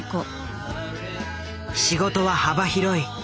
仕事は幅広い。